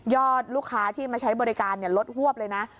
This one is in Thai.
ลูกค้าที่มาใช้บริการลดหวบเลยนะ